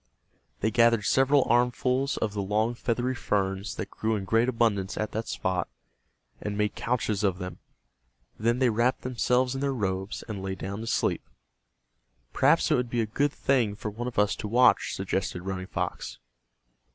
They gathered several armfuls of the long feathery ferns that grew in great abundance at that spot, and made couches of them. Then they wrapped themselves in their robes and lay down to sleep. "Perhaps it would be a good thing for one of us to watch," suggested Running Fox.